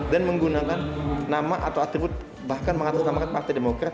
dan menggunakan nama atau atribut bahkan mengatakan nama partai demokrat